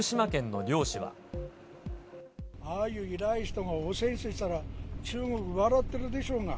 ああいう偉い人が汚染水って言ったら、中国、笑っているでしょうが。